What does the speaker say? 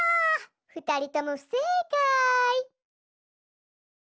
ふたりともふせいかい。